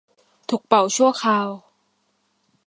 ถูกเป่าชั่วคราว